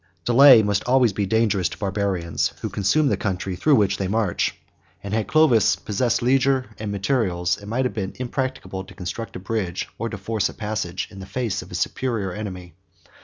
Delay must be always dangerous to Barbarians, who consume the country through which they march; and had Clovis possessed leisure and materials, it might have been impracticable to construct a bridge, or to force a passage, in the face of a superior enemy.